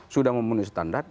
sudah memenuhi standar